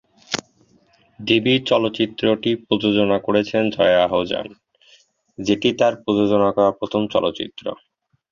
দেবী চলচ্চিত্রটি প্রযোজনা করছেন জয়া আহসান, যেটি তার প্রযোজনা করা প্রথম চলচ্চিত্র।